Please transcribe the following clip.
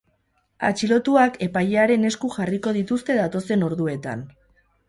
Atxilotuak epailearen esku jarriko dituzte datozen orduetan.